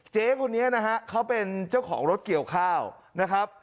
เจ๊คนนี้นะฮะเขาเป็นเจ้าของรถเกี่ยวข้าวนะครับ